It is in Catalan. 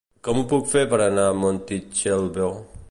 Com ho puc fer per anar a Montitxelvo?